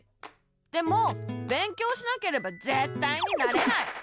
でも勉強しなければぜったいになれない！